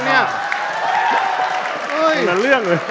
เหมือนเรื่องเลย